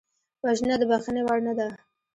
وژنه د بښنې وړ نه ده